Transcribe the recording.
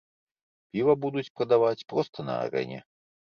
Піва будуць прадаваць проста на арэне.